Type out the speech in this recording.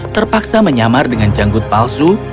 terpaksa menyamar dengan canggut palsu